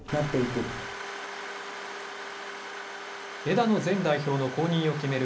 枝野前代表の後任を決める